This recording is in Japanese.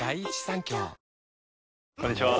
こんにちは。